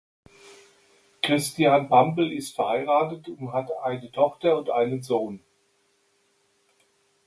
Christian Pampel ist verheiratet und hat eine Tochter und einen Sohn.